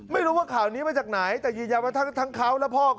ไม่รู้ว่าข่าวนี้มาจากไหนแต่ยืนยันว่าทั้งเขาและพ่อ